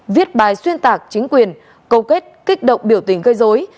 viết bài xuyên tạc chính quyền câu kết kích động biểu tình gây dối